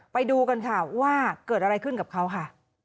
ไปดูกันค่ะว่าเกิดอะไรขึ้นกับเขาค่ะ